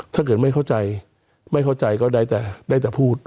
ถ้าเกิดไม่เข้าใจไม่เข้าใจก็ได้แต่ได้แต่พูด